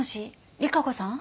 利佳子さん？